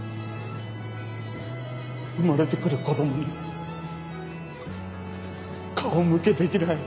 生まれてくる子供にか顔向けできない。